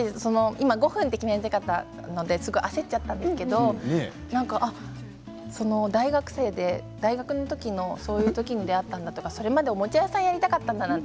今５分って決めたかったので焦っちゃったんですけど大学生で大学のときのそういうときに出会ったんだとかそれまでおもちゃ屋さんをやりたかったんだって